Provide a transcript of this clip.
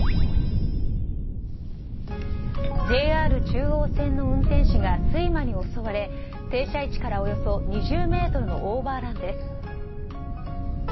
ＪＲ中央線の運転士が睡魔に襲われ停車位置からおよそ２０ｍのオーバーランです。